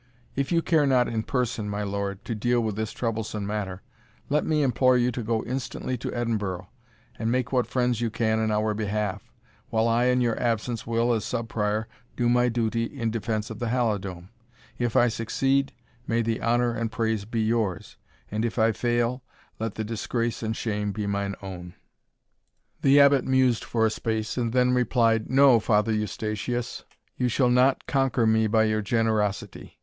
If you care not in person, my lord, to deal with this troublesome matter, let me implore you to go instantly to Edinburgh, and make what friends you can in our behalf, while I in your absence will, as Sub Prior, do my duty in defence of the Halidome. If I succeed, may the honour and praise be yours, and if I fail, let the disgrace and shame be mine own." The Abbot mused for a space, and then replied, "No, Father Eustatius, you shall not conquer me by your generosity.